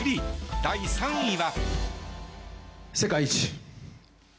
第３位は。